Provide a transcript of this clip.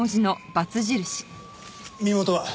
身元は？